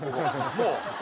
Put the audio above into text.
もう？